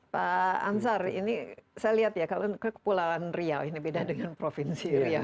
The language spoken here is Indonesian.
pak ansar ini saya lihat ya kalau kepulauan riau ini beda dengan provinsi riau